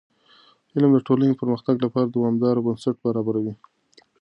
علم د ټولنې د پرمختګ لپاره دوامداره بنسټ برابروي.